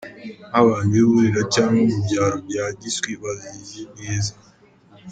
Nk’abantu b’i Burera cyangwa mu byaro bya Giswi bazizi neza.